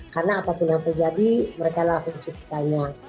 karena apapun yang terjadi mereka adalah penciptanya